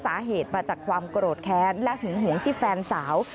สาเหตุมาจากความโกรธแค้นและหึงหวงที่แฟนสาว